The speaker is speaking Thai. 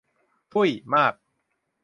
ชุ่ยมาก !